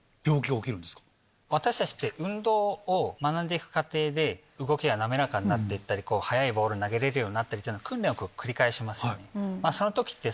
私たちって運動を学んで行く過程で動きが滑らかになって行ったり速いボール投げれるようになったりってのは。